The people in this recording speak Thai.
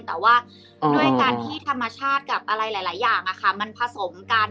แต่ว่าด้วยการที่ธรรมชาติกับอะไรหลายอย่างมันผสมกัน